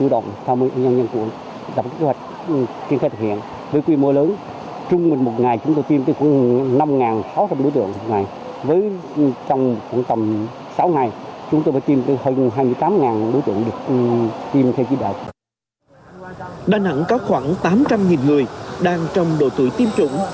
đà nẵng có khoảng tám trăm linh người đang trong độ tuổi tiêm chủng